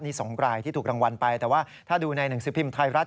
นี่๒รายที่ถูกรางวัลไปแต่ว่าถ้าดูในหนังสือพิมพ์ไทยรัฐ